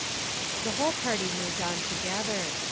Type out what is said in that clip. The whole party moved on together.